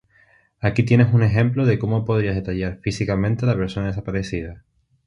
Aquí tienes un ejemplo de cómo podrías detallar físicamente a la persona desaparecida: